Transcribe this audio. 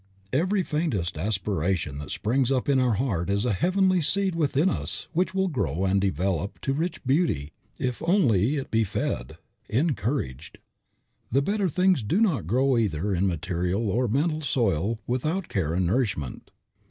Every faintest aspiration that springs up in our heart is a heavenly seed within us which will grow and develop into rich beauty if only it be fed, encouraged. The better things do not grow either in material or mental soil without care and nourishment.